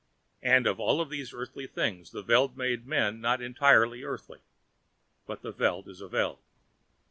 And of all these Earthly things, the Veld made men not entirely Earthly, for the Veld is a Veld.